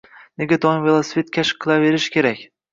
Nega doim velosiped kashf qilaverishimiz kerak?